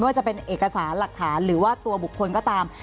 ว่าจะเป็นเอกสารหลักฐานหรือว่าตัวบุคคลก็ตาม